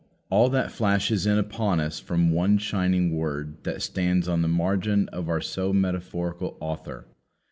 All that flashes in upon us from one shining word that stands on the margin of our so metaphorical author.